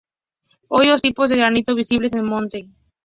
Hay dos tipos de granito visibles en el monte.